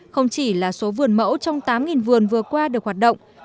không chỉ là số vườn mẫu trong tám vườn vừa qua được hoạt động